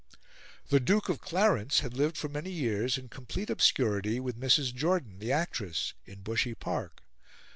The Duke of Clarence had lived for many years in complete obscurity with Mrs. Jordan, the actress, in Bushey Park.